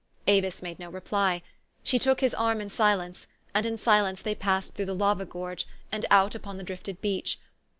Avis made no reply. She took his arm in silence, and in silence they passed through the lava gorge, and out upon the drifted beach.